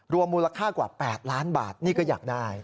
มูลค่ากว่า๘ล้านบาทนี่ก็อยากได้